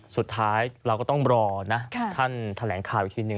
สุดท้ายเราก็ต้องรอนะท่านแถลงข่าวอีกทีหนึ่ง